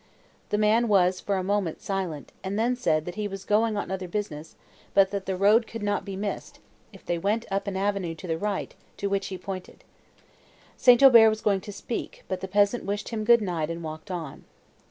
The man was for a moment silent, and then said, that he was going on other business, but that the road could not be missed, if they went up an avenue to the right, to which he pointed. St. Aubert was going to speak, but the peasant wished him good night, and walked on.